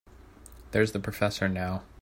There's the professor now.